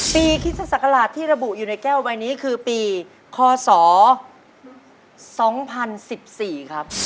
คริสตศักราชที่ระบุอยู่ในแก้วใบนี้คือปีคศ๒๐๑๔ครับ